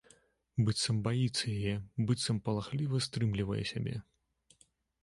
Быццам баіцца яе, быццам палахліва стрымлівае сябе.